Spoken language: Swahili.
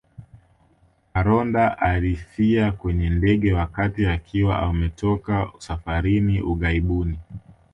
Aronda alifia kwenye ndege wakati akiwa ametoka safarini ughaibuni